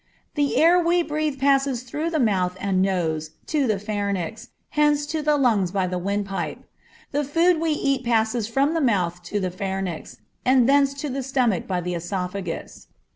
The air we breathe passes through the mouth and nose to the pharynx, thence to the lungs by the windpipe. The food we eat passes from the mouth to the pharynx, and thence to the stomach by the oesophagus.